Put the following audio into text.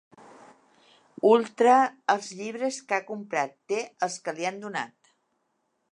Ultra els llibres que ha comprat, té els que li han donat.